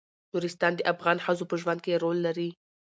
نورستان د افغان ښځو په ژوند کې رول لري.